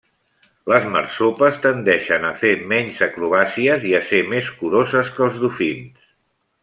Les marsopes tendeixen a fer menys acrobàcies i a ser més curoses que els dofins.